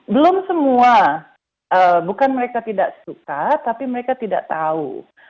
belum semua bukan mereka tidak suka tapi mereka tidak tahu